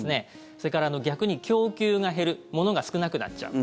それから逆に供給が減るものが少なくなっちゃう。